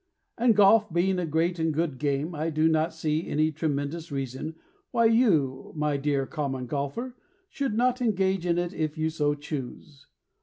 And golf being a great and good game I do not see any tremendous reason Why you, my dear Common Golfer, Should not engage in it if you so choose.